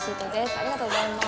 ありがとうございます。